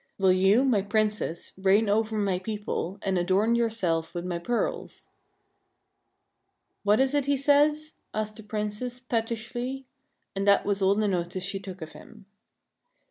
Will you, O Princess, reign over my people, and adorn yourself with my pearls ?"" What is it he says ?" asked the Princess, pettishly ; and that was all the notice she took of him.